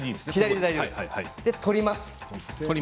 取ります。